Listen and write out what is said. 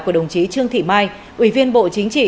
của đồng chí trương thị mai ủy viên bộ chính trị